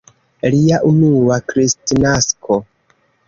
Lia unua Kristnasko!